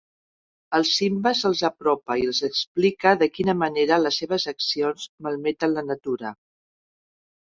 El Simba se'ls apropa i els explica de quina manera les seves accions malmeten la natura.